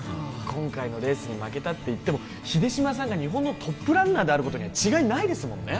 今回のレースに負けたっていっても秀島さんが日本のトップランナーであることには違いないですもんね